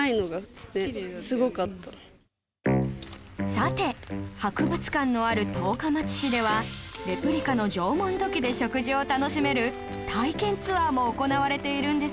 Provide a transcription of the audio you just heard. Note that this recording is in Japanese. さて博物館のある十日町市ではレプリカの縄文土器で食事を楽しめる体験ツアーも行われているんですが